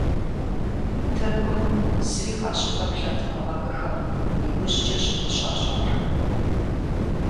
Тыркум зыри къащыпэплъэртэкъым абыхэм – иужькӏэщ къыщащӏар.